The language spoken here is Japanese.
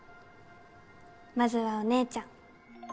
まずはお姉ちゃん。